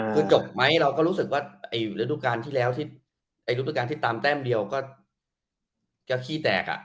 คือจบไหมเราก็รู้สึกว่าเรื่องราวการที่ตามแท่มเดียวก็ขี้แตกอะ